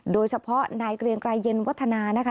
โดยเฉพาะนายเกรียงไกรเย็นวัฒนานะคะ